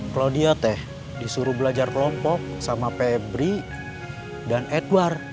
kalo dia disuruh belajar kelompok sama pebri dan edward